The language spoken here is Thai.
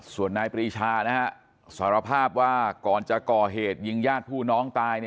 ส่วนนายปรีชาสารภาพว่าก่อนจะก่อเหตุยิงญาติผู้น้องตาย